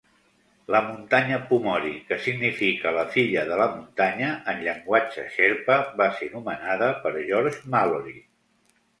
La muntanya Pumori, que significa "la filla de la muntanya" en llenguatge xerpa, va ser nomenada per George Mallory.